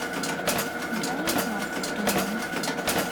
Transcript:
His brain was swimming.